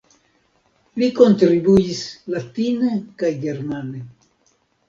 Li kontribuis latine kaj germane.